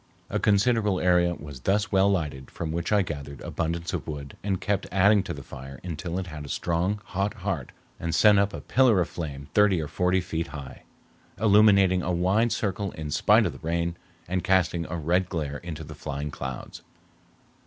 A considerable area was thus well lighted, from which I gathered abundance of wood, and kept adding to the fire until it had a strong, hot heart and sent up a pillar of flame thirty or forty feet high, illuminating a wide circle in spite of the rain, and casting a red glare into the flying clouds.